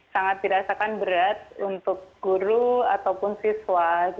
sangat dirasakan berat untuk guru ataupun siswa